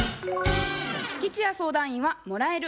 吉弥相談員は「もらえる」